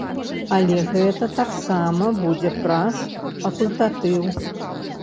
Але гэта таксама будзе праз факультатыў.